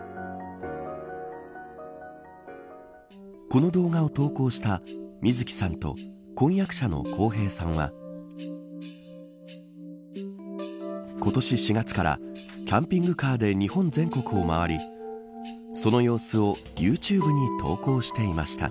この動画を投稿したみずきさんと婚約者のこうへいさんは今年４月からキャンピングカーで日本全国を回りその様子をユーチューブに投稿していました。